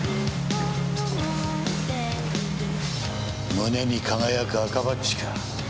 胸に輝く赤バッジか。